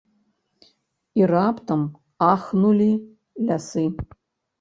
І раптам ахнулі лясы.